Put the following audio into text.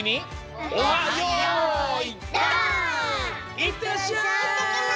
いってらっしゃい！